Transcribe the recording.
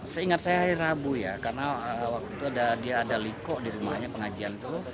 seingat saya hari rabu ya karena waktu dia ada liko di rumahnya pengajian itu